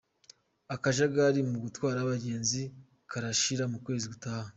Akajagari mu gutwara abagenzi karashira mu kwezi gutaha